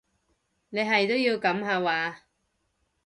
你係都要噉下話？